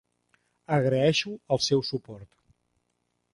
Agraeixo el seu suport.